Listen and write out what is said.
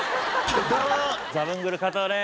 どうもザブングル加藤です。